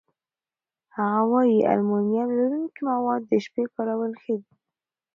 هغه وايي المونیم لرونکي مواد د شپې کارول ښه دي.